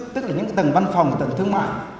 tức là những tầng văn phòng tầng thương mại